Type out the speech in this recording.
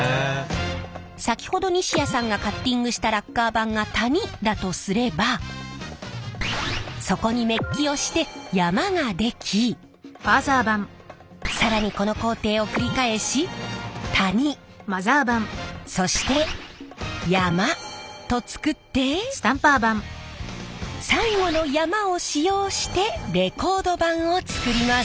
先ほど西谷さんがカッティングしたラッカー盤が谷だとすればそこにメッキをして山が出来更にこの工程を繰り返し谷そして山と作って最後の山を使用してレコード盤を作ります。